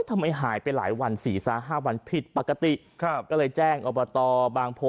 ทำไมหายไปหลายวันสี่สามห้าวันผิดปกติครับก็เลยแจ้งอบตบางโพ